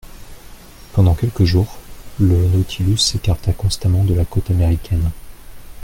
Pendant quelques jours, le Nautilus s'écarta constamment de la côte américaine.